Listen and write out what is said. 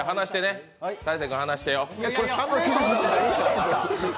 大晴君、離してよ。